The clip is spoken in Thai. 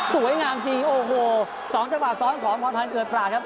สวยงามจริงโอ้โหสองเจ้าป่าสส้อนของพรพันธ์เกิดปราคครับ